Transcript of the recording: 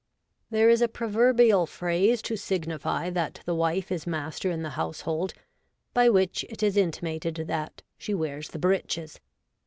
' There is a proverbial phrase to signify that the wife is master in the household, by which it is intimated that "she wears the breeches."'